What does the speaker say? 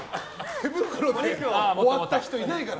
手袋で終わった人、いないから。